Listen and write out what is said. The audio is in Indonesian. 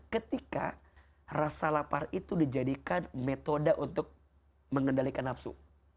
ketika rasa lapar itu dijadikan metode untuk mengendalikan nafsu